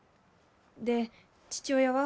で父親は？